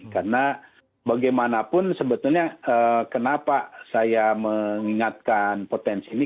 karena bagaimanapun sebetulnya kenapa saya mengingatkan potensi ini